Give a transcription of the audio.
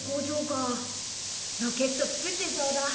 ロケット作ってそうだ。